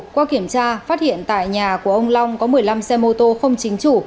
qua kiểm tra phát hiện tại nhà của ông long có một mươi năm xe mô tô không chính chủ